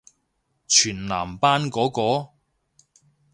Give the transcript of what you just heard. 全男班嗰個？